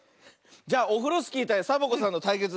じゃあオフロスキーたいサボ子さんのたいけつ。